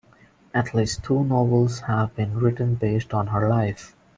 At least two novels have been written based on her life.